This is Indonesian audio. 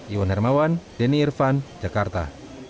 iwan hermawan denny irvan jakarta